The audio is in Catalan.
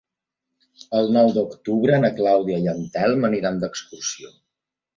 El nou d'octubre na Clàudia i en Telm aniran d'excursió.